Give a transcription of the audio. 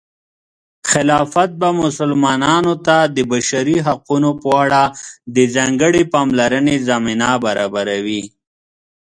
خلافت به مسلمانانو ته د بشري حقونو په اړه د ځانګړې پاملرنې زمینه برابروي.